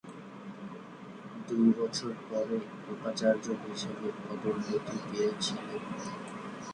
দুই বছর পরে উপাচার্য হিসাবে পদোন্নতি পেয়েছিলেন।